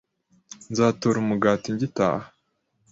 Nzatora umugati ngitaha